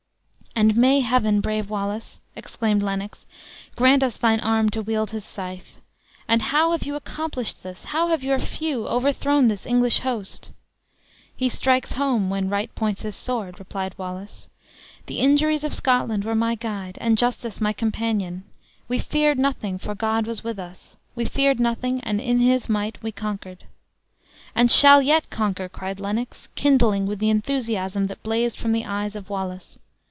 "And may Heaven, brave Wallace!" exclaimed Lennox, "grant us thine arm to wield its scythe! But how have you accomplished this? How have your few overthrown this English host?" "He strikes home, when right points his sword," replied Wallace; "the injuries of Scotland were my guide, and justice my companion. We feared nothing, for God was with us; we feared nothing, and in his might we conquered." "And shall yet conquer!" cried Lennox, kindling with the enthusiasm that blazed from the eyes of Wallace.